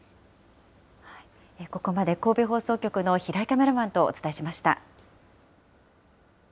ここまで神戸放送局の平井カメラマンとお伝えしました。